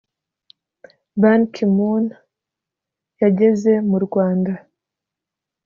ban ki moon yageze mu rwanda